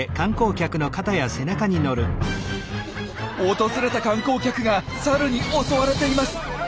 訪れた観光客がサルに襲われています！